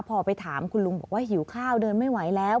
พอไปถามคุณลุงบอกว่าหิวข้าวเดินไม่ไหวแล้ว